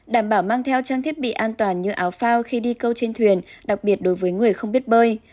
đảm bảo mang theo trang thiết bị an toàn như áo phao khi đi câu trên thuyền đặc biệt đối với người không biết bơi